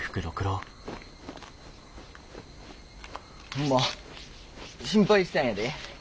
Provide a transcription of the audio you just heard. ホンマ心配したんやで。